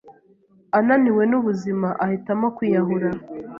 ananiwe n'ubuzima ahitamo kwiyahura